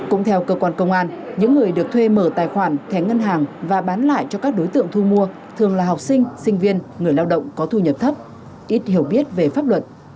cũng theo cơ quan công an những người được thuê mở tài khoản thẻ ngân hàng và bán lại cho các đối tượng thu mua thường là học sinh sinh viên người lao động có thu nhập thấp ít hiểu biết về pháp luật